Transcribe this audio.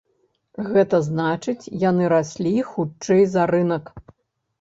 Гэта значыць, яны раслі хутчэй за рынак.